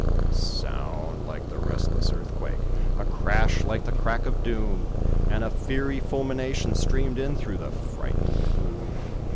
A sound like the restless earthquake! a crash like the "crack of doom"! And a fiery fulmination streamed in through the frightened gloom.